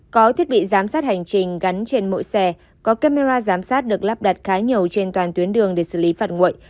có thiết bị giám sát hành trình gắn trên mỗi xe có camera giám sát được lắp đặt khá nhiều trên toàn tuyến đường để xử lý phạt nguội